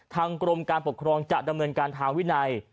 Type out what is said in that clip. ทางกรมการปกครองจะดำเนินการทางวินัย